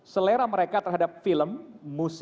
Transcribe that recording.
selera mereka tersebut